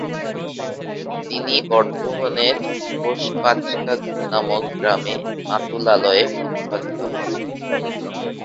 তিনি বর্ধমানের 'ঘোষপাঁচকা' নামক গ্রামে মাতুলালয়ে প্রতিপালিত হন।